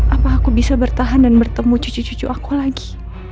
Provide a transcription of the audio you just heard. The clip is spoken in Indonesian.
apa aku bisa bertahan dan bertemu cucu cucu aku lagi